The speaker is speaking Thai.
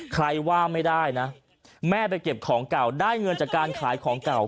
ใครว่าไม่ได้นะแม่ไปเก็บของเก่าได้เงินจากการขายของเก่า